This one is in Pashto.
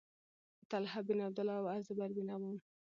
طلحة بن عبد الله او الزبير بن العوام رضي الله عنهما سره ولیدل